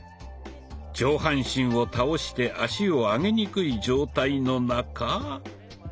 上半身を倒して足を上げにくい状態の中。